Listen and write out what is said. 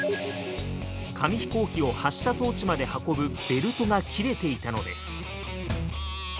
紙飛行機を発射装置まで運ぶベルトが切れていたのです。